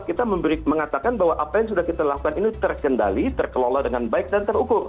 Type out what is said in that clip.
kita mengatakan bahwa apa yang sudah kita lakukan ini terkendali terkelola dengan baik dan terukur